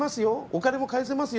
お金も返せます